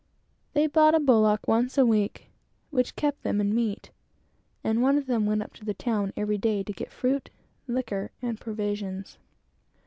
They bought a bullock once a week, which kept them in meat, and one of them went up to the town every day to get fruit, liquor, and provisions.